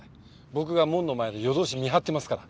僕が門の前で夜通し見張ってますから。